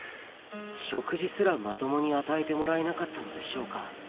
食事すらまともに与えてもらえなかったのでしょうか？